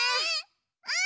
うん！